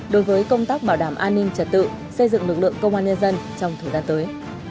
đối với công tác bảo đảm an ninh trật tự xây dựng lực lượng công an nhân dân trong thời gian tới